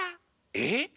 えっ⁉